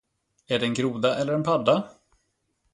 Är det en groda eller en padda?